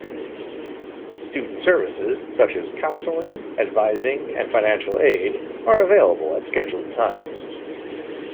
Student services such as counseling, advising and financial aid are available at scheduled times.